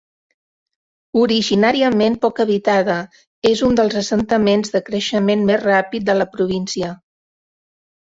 Originàriament poc habitada, és un dels assentaments de creixement més ràpid de la província.